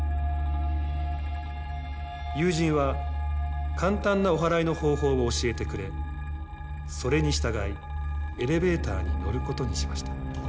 友人は簡単なおはらいの方法を教えてくれそれに従いエレベーターに乗ることにしました。